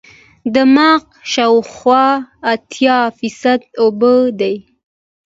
دماغ شاوخوا اتیا فیصده اوبه دي.